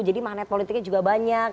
jadi magnet politiknya juga banyak